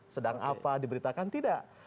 sedang apa diberitakan tidak